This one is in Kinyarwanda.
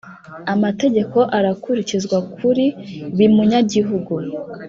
Amategeko arakurikizwakuri bimunyagihugu.